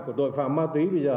của tội phạm ma túy bây giờ